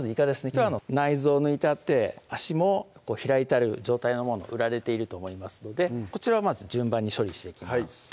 きょうは内臓抜いてあって足も開いてある状態のもの売られていると思いますのでこちらをまず順番に処理していきます